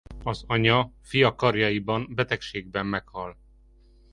Az anya fia karjaiban betegségben meghal.